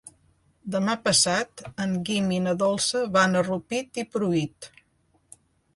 Demà passat en Guim i na Dolça van a Rupit i Pruit.